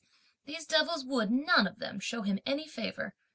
these devils would, none of them, show him any favour.